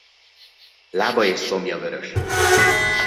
Lába és combja vörös.